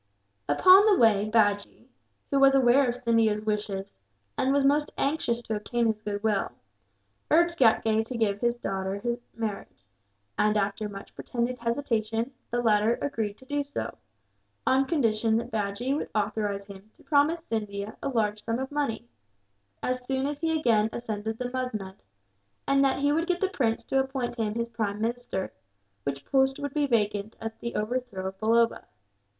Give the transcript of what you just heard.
Upon the way, Bajee, who was aware of Scindia's wishes, and was most anxious to obtain his goodwill, urged Ghatgay to give him his daughter in marriage and, after much pretended hesitation, the latter agreed to do so on condition that Bajee would authorize him to promise Scindia a large sum of money, as soon as he again ascended the musnud; and that he would get the prince to appoint him his prime minister, which post would be vacant at the overthrow of Balloba.